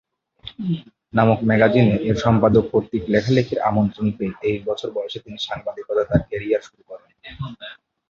নামক ম্যাগাজিনে এর সম্পাদক কর্তৃক লেখালেখির আমন্ত্রন পেয়ে তেইশ বছর বয়সে তিনি সাংবাদিকতায় তার ক্যারিয়ার শুরু করেন।